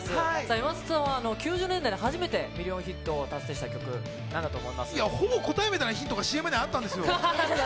山里さんは９０年代に初めてミリオンヒットを達成した曲、なんだほぼ答えみたいなヒントがＣ確かに。